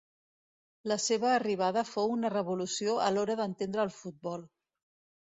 La seva arribada fou una revolució a l'hora d'entendre el futbol.